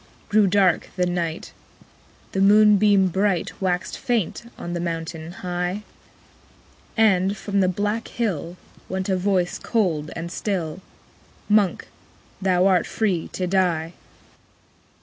9. Grew dark the night; The moonbeam bright Waxed faint on the mountain high; And, from the black hill, _50 Went a voice cold and still, 'Monk! thou art free to die.'